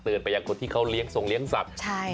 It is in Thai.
เตือนไปอย่างคนที่เขาเลี้ยงส่งเลี้ยงสัตว์ใช่